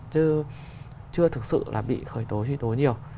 chứ chưa thực sự là bị khởi tố truy tố nhiều